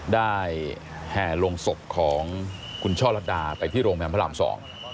แห่ลงศพของคุณช่อลัดดาไปที่โรงพยาบาลพระรามสอง